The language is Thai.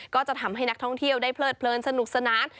ก็จะทำให้นักท่องเที่ยวได้เพลิดเพลินสนุกสนาน